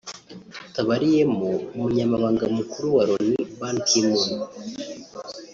tutabariyemo umunyamabanga mukuru wa Loni Ban Ki-Moon